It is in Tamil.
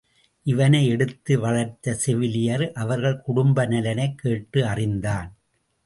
இவனை எடுத்து வளர்த்த செவிலியர் அவர்கள் குடும்ப நலனைக் கேட்டு அறிந்தான்.